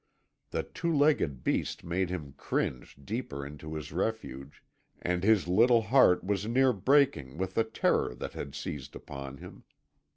The two legged beast made him cringe deeper into his refuge, and his little heart was near breaking with the terror that had seized upon him.